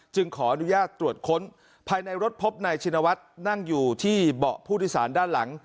ขออนุญาตตรวจค้นภายในรถพบนายชินวัฒน์นั่งอยู่ที่เบาะผู้โดยสารด้านหลัง